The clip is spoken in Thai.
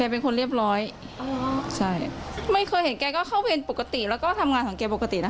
เป็นคนเรียบร้อยอ๋อใช่ไม่เคยเห็นแกก็เข้าเวรปกติแล้วก็ทำงานของแกปกตินะคะ